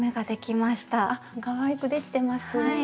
かわいくできてます。